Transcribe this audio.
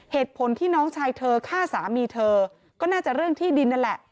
เหตุผลที่น้องชายเธอฆ่าสามีเธอก็น่าจะเรื่องที่ดินนั่นแหละ